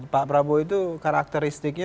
pak prabowo itu karakteristiknya